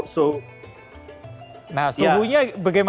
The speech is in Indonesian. jarang ada yang puasa jadi bener bener minoritas ya itulah